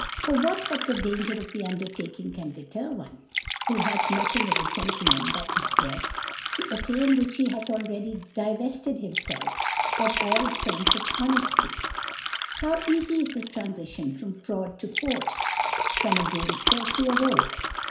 for what but the Danger of the Undertaking can deter ocbe, who hath nothing of a Gentleman but his Drefs, to attain which he hath already divefted himfelf q/ all Senfe of Honefty i How cafy is tlie Tranfition from Fraud to Force i from a Gajnefter t9 a Rogi^